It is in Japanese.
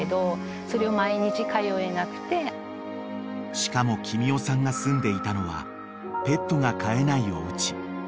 ［しかも君代さんが住んでいたのはペットが飼えないおうち］